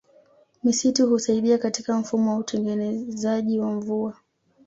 Misitu Husaidia katika mfumo wa utengenezaji wa mvua